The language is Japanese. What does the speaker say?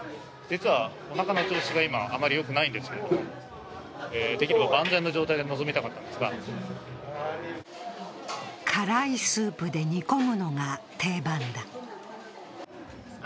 実はおなかの調子が今、あまりよくないんですけれども万全の状態で臨みたかったんですが辛いスープで煮込むのが定番だ。